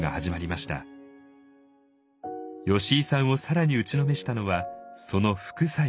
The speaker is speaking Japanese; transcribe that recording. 吉井さんを更に打ちのめしたのはその副作用。